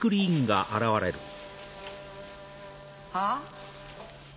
はぁ？